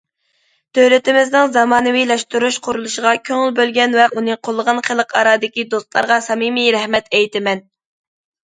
دۆلىتىمىزنىڭ زامانىۋىلاشتۇرۇش قۇرۇلۇشىغا كۆڭۈل بۆلگەن ۋە ئۇنى قوللىغان خەلقئارادىكى دوستلارغا سەمىمىي رەھمەت ئېيتىمەن.